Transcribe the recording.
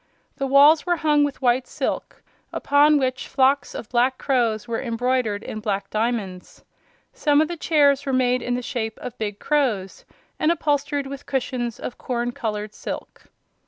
The walls were hung with white silk, upon which flocks of black crows were embroidered in black diamonds. Some of the chairs were made in the shape of big crows and upholstered with cushions of corn colored silk.